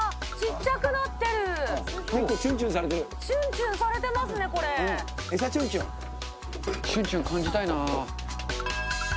ちゅんちゅん感じたいな。